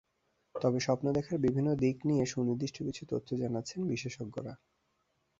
তবে স্বপ্ন দেখার বিভিন্ন দিক নিয়ে সুনির্দিষ্ট কিছু তথ্য জানাচ্ছেন বিশেষজ্ঞরা।